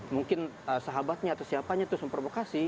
mungkin sahabatnya atau siapanya terus memprovokasi